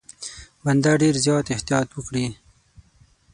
بنده ډېر زیات احتیاط وکړي.